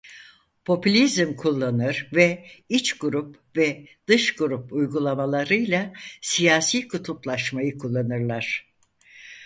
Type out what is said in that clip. Popülizm kullanır ve iç grup ve dış grup uygulamalarıyla siyasi kutuplaşmayı kullanırlar.